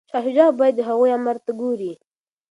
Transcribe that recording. شاه شجاع باید د هغوی امر ته ګوري.